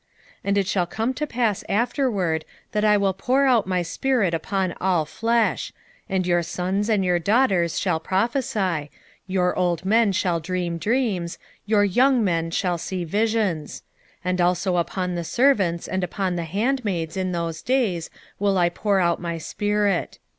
2:28 And it shall come to pass afterward, that I will pour out my spirit upon all flesh; and your sons and your daughters shall prophesy, your old men shall dream dreams, your young men shall see visions: 2:29 And also upon the servants and upon the handmaids in those days will I pour out my spirit.